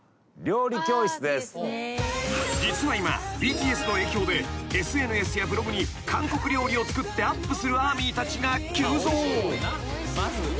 ［実は今ＢＴＳの影響でＳＮＳやブログに韓国料理を作ってアップするＡＲＭＹたちが急増］